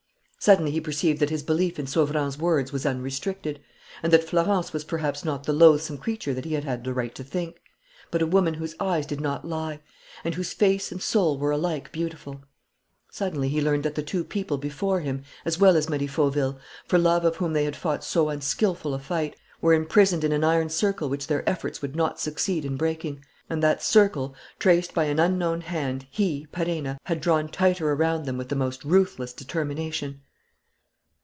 Suddenly he perceived that his belief in Sauverand's words was unrestricted, and that Florence was perhaps not the loathsome creature that he had had the right to think, but a woman whose eyes did not lie and whose face and soul were alike beautiful. Suddenly he learnt that the two people before him, as well as Marie Fauville, for love of whom they had fought so unskilful a fight, were imprisoned in an iron circle which their efforts would not succeed in breaking. And that circle traced by an unknown hand he, Perenna, had drawn tighter around them with the most ruthless determination.